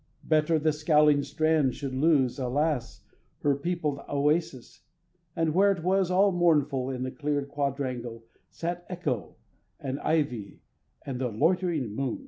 Better the scowling Strand should lose, alas, Her peopled oasis, and where it was All mournful in the cleared quadrangle sat Echo, and ivy, and the loitering moon.